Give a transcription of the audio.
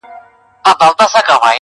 ډېر قوي اغېز